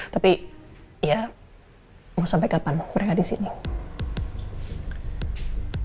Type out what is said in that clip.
tapi ya mau sampai kapan mereka disini